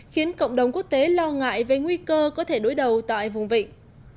khiến cộng đồng quốc tế lo ngại về nguy cơ có thể đối đầu tại vùng vịnh